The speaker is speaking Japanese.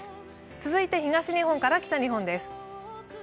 続いて東日本から北日本です。